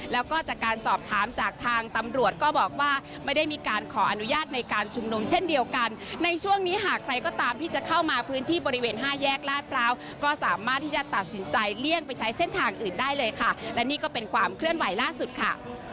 แล้วก็จากการสอบถามจากทางตำรวจก็บอกว่าไม่ได้มีการขออนุญาตในการชุมนุมเช่นเดียวกันในช่วงนี้หากใครก็ตามที่จะเข้ามาพื้นที่บริเวณห้าแยกลาดพร้าวก็สามารถที่จะตัดสินใจเลี่ยงไปใช้เส้นทางอื่นได้เลยค่ะและนี่ก็เป็นความเคลื่อนไหวล่าสุดค่ะ